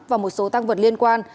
và một số tăng vật liên quan